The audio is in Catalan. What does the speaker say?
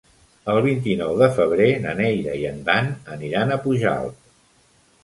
El vint-i-nou de febrer na Neida i en Dan aniran a Pujalt.